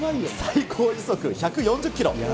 最高時速１４０キロ。